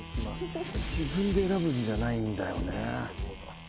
自分で選ぶんじゃないんだよね。